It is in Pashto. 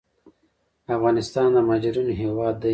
افغانستان د مهاجرینو هیواد دی